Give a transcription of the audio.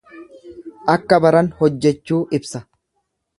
Akka baran hojjechuu ibsa.